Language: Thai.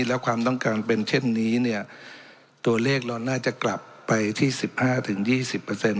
แล้วความต้องการเป็นเช่นนี้เนี่ยตัวเลขเราน่าจะกลับไปที่สิบห้าถึงยี่สิบเปอร์เซ็นต